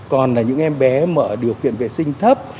còn là những em bé mà điều kiện vệ sinh thấp